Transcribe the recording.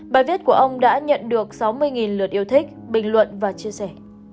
bài viết của ông đã nhận được sáu mươi lượt yêu thích bình luận và chia sẻ